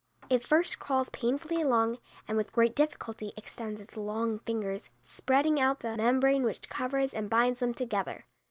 It first crawls painfully along, and with great difficulty extends its long fingers, spreading out the membrane which covers and binds them together.